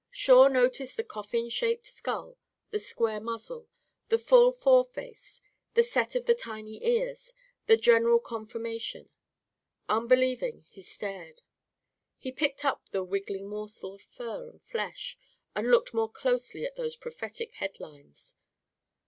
Shawe noticed the coffin shaped skull, the square muzzle, the full foreface, the set of the tiny ears, the general conformation. Unbelieving, he stared. He picked up the wiggling morsel of fur and flesh and looked more closely at those prophetic head lines.